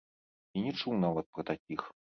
І не чуў нават пра такіх.